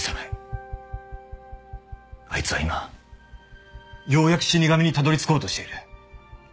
あいつは今ようやく死神にたどりつこうとしている。